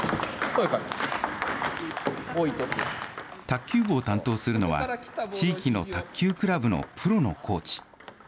卓球部を担当するのは、地域の卓球クラブのプロのコーチ。